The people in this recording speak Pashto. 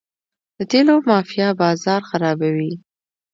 د تیلو مافیا بازار خرابوي.